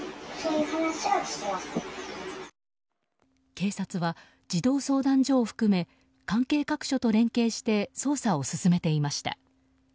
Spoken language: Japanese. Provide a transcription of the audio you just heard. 警察は、児童相談所を含め関係各所と連携して捜査を進めていました。